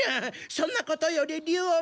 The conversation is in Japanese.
そんなことより竜王丸